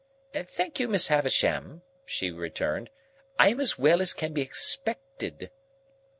"Thank you, Miss Havisham," she returned, "I am as well as can be expected."